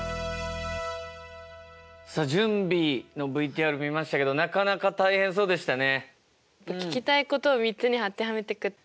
さあ準備のＶＴＲ見ましたけどなかなか大変そうでしたね。